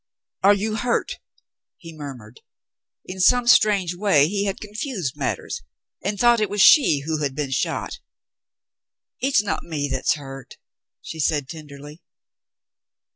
"Are you hurt V he murmured. In some strange way he had confused matters, and thought it was she who had been shot. "It's not me that's hurt," she said tenderly.